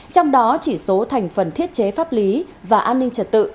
trong đó chỉ số thành phần thiết chế pháp lý và an ninh trật tự